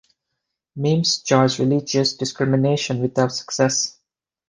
Mims charged religious discrimination without success.